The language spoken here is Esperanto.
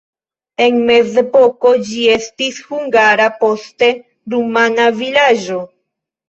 En mezepoko ĝi estis hungara, poste rumana vilaĝo.